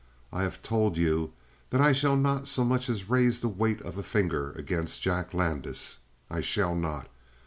I have told you that I shall not so much as raise the weight of a finger against Jack Landis. I shall not.